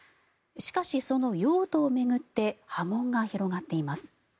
しかし、その用途を巡って波紋が広がっています。